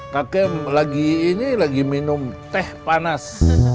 kakek ini lagi minum teh panas